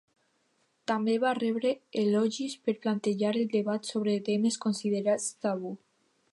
També va rebre elogis per plantejar el debat sobre temes considerats tabú.